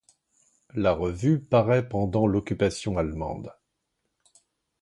La revue paraît pendant l'occupation allemande.